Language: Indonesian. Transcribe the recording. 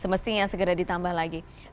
semestinya segera ditambah lagi